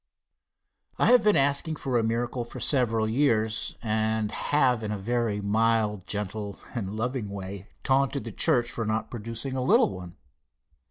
I have been asking for a miracle for several years, and have in a very mild, gentle and loving way, taunted the church for not producing a little one.